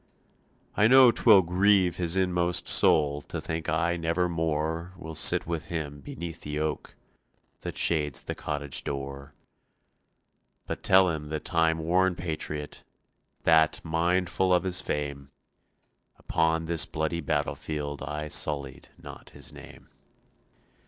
"I know 'twill grieve his inmost soul To think I never more Will sit with him beneath the oak That shades the cottage door; But tell that time worn patriot, That, mindful of his fame, Upon this bloody battlefield I sullied not his name.